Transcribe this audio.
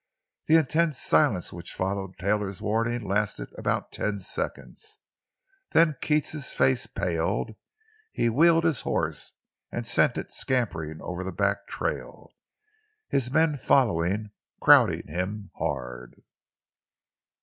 The intense silence which followed Taylor's warning lasted about ten seconds. Then Keats's face paled; he wheeled his horse and sent it scampering over the back trail, his men following, crowding him hard.